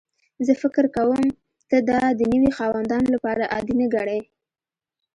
زه فکر کوم ته دا د نوي خاوندانو لپاره عادي نه ګڼې